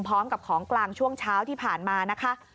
พร้อมกับของกลางช่วงเช้าที่ผ่านมานะคะ